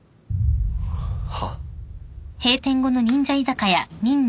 はっ？